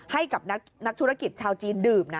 ให้กับนักธุรกิจชาวจีนดื่มนะ